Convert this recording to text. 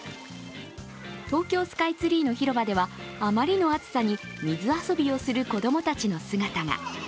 東京スカイツリーの広場では、あまりの暑さに水遊びをする子供たちの姿が。